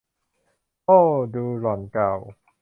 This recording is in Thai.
โอ้ ดู หล่อนกล่าว